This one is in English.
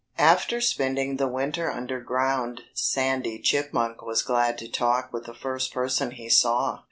After spending the winter underground Sandy Chipmunk was glad to talk with the first person he saw.